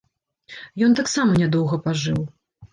Ён таксама нядоўга пажыў.